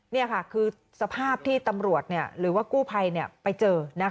นี่ค่ะคือสภาพที่ตำรวจหรือว่ากู้ภัยไปเจอ